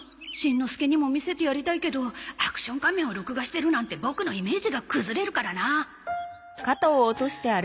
しんのすけにも見せてやりたいけど『アクション仮面』を録画してるなんてボクのイメージが崩れるからな